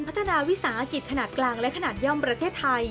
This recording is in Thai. พัฒนาวิสาหกิจขนาดกลางและขนาดย่อมประเทศไทย